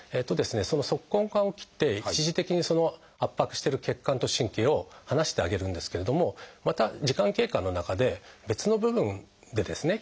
その足根管を切って一時的に圧迫してる血管と神経を離してあげるんですけれどもまた時間経過の中で別の部分でですね